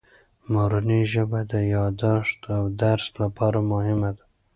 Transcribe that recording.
مورنۍ ژبه د یادښت او درس لپاره مهمه ده.